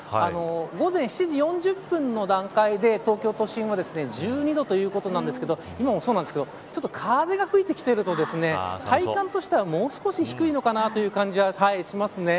午前７時４０分の段階で東京都心は１２度ということなんですけど今もそうなんですけど風が吹いてきていると体感としては、もう少し低いのかなという感じはしますね。